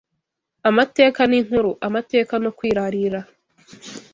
amateka n’inkuru, amateka no kwirarira,